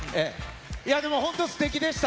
でも本当、すてきでした。